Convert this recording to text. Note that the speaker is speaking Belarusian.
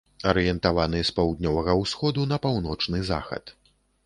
Арыентаваны з паўднёвага ўсходу на паўночны захад.